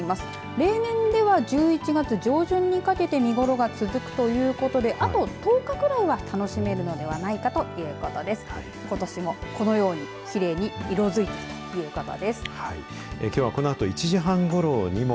例年では１１月上旬にかけて見頃が続くということであと１０日くらいは楽しめるのではないかということです。